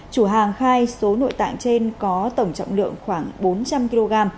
chủ hàng khai số nội tạng trên có tổng trọng lượng khoảng bốn trăm linh kg